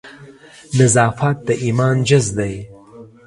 نظافت د ایمان جز ده